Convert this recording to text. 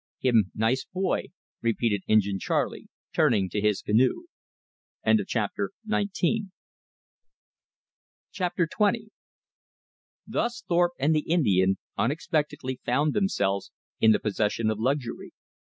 "Him nice boy," repeated Injin Charley, turning to his canoe. Chapter XX Thus Thorpe and the Indian unexpectedly found themselves in the possession of luxury.